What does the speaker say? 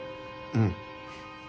うん。